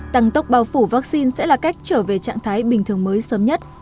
tăng tốc bao phủ vaccine sẽ là cách trở về trạng thái bình thường mới sớm nhất